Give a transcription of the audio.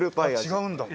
違うんだ。